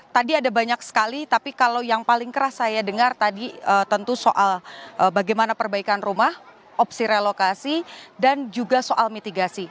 tadi ada banyak sekali tapi kalau yang paling keras saya dengar tadi tentu soal bagaimana perbaikan rumah opsi relokasi dan juga soal mitigasi